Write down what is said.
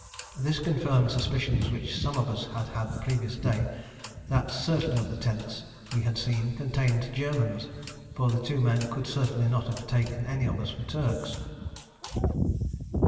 This confirmed suspicions which some of us had had the previous day, that certain of the tents we had seen contained Germans; for the two men could certainly not have taken any of us for Turks.